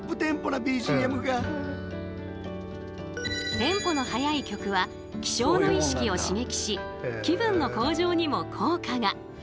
テンポの速い曲は起床の意識を刺激し気分の向上にも効果が！